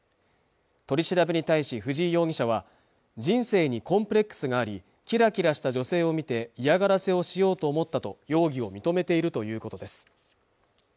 取り調べに対し藤井容疑者は人生にコンプレックスがありキラキラした女性を見て嫌がらせをしようと思ったと容疑を認めているということです